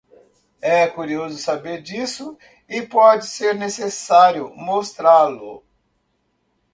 É curioso saber disso, e pode ser necessário mostrá-lo.